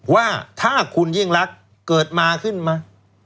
ว่าถ้าคุณยิ่งรักเกิดมาขึ้นมา